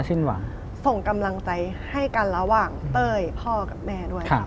ส่งกำลังใจให้กันระหว่างเต้ยพ่อกับแม่ด้วยครับ